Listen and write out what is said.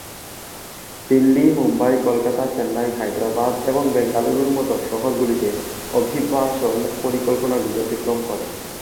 দিল্লি, মুম্বাই, কলকাতা, চেন্নাই, হায়দ্রাবাদ এবং বেঙ্গালুরুর মতো শহরগুলিতে অভিবাসন পরিকল্পনাগুলি অতিক্রম করে।